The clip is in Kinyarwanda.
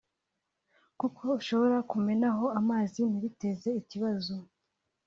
kuko ushobora kumenaho amazi ntibiteze ikibazo